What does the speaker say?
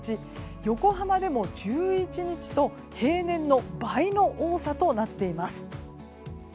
横浜でも１１日と平年の倍の多さとなっています。